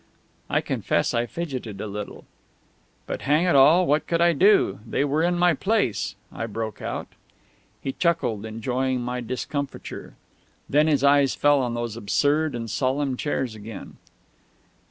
I confess I fidgeted a little. "But hang it all, what could I do? They were in my place," I broke out. He chuckled, enjoying my discomfiture. Then his eyes fell on those absurd and solemn chairs again.